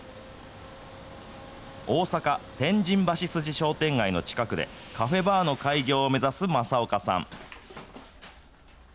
大阪・天神橋筋商店街の近くで、カフェバーの開業を目指す政岡さん。